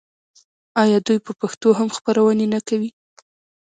آیا دوی په پښتو هم خپرونې نه کوي؟